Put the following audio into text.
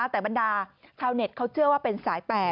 แต่บรรดาชาวเน็ตเขาเชื่อว่าเป็นสาย๘